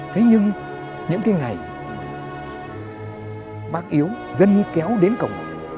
thế nhưng những cái ngày bác yếu dân kéo đến cổng